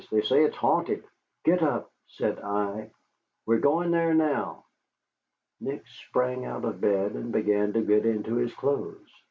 They say it's haunted." "Get up," said I; "we're going there now." Nick sprang out of bed and began to get into his clothes.